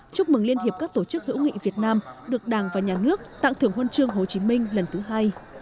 chúc mừng liên hiệp các tổ chức hữu nghị việt nam được đảng và nhà nước tặng thưởng huân chương hồ chí minh lần thứ hai